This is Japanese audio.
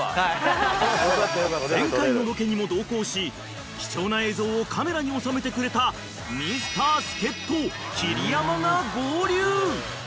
［前回のロケにも同行し貴重な映像をカメラに収めてくれたミスター助っ人桐山が合流］